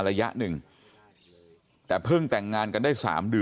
ระยะหนึ่งแต่เพิ่มแต่งงานกันได้๓